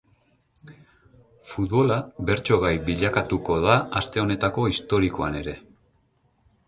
Futbola bertso-gai bilakatuko da aste honetako historikoan ere.